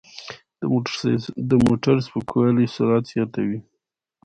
د موټر سپکوالی سرعت زیاتوي.